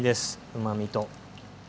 うまみと。